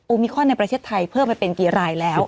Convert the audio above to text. มิคอนในประเทศไทยเพิ่มไปเป็นกี่รายแล้ว